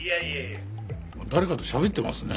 誰かとしゃべってますね。